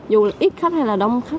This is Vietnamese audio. dù là ít khách hay không